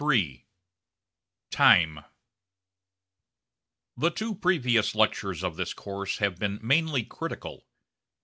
CHAPTER III TIME The two previous lectures of this course have been mainly critical.